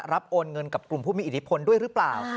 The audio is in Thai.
โอนเงินกับกลุ่มผู้มีอิทธิพลด้วยหรือเปล่า